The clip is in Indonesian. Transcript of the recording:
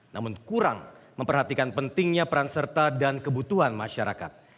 namun kurang memperhatikan pentingnya peran serta dan kebutuhan masyarakat